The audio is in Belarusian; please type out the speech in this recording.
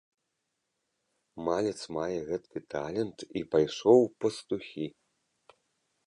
Малец мае гэткі талент і пайшоў у пастухі!